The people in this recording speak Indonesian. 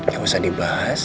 gak usah dibahas